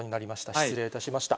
失礼いたしました。